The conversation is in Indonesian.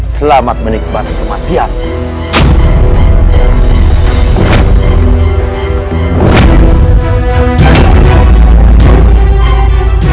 selamat menikmati kematian